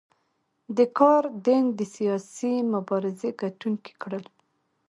دې کار دینګ د سیاسي مبارزې ګټونکي کړل.